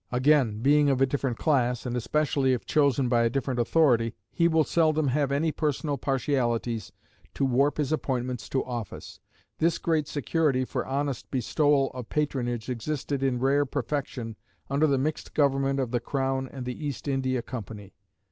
Again, being of a different class, and especially if chosen by a different authority, he will seldom have any personal partialities to warp his appointments to office. This great security for honest bestowal of patronage existed in rare perfection under the mixed government of the crown and the East India Company.